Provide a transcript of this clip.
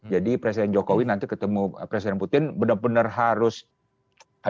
presiden jokowi nanti ketemu presiden putin benar benar harus ada